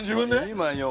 今よ。